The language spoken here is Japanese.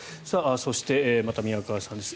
そして、また宮川さんです。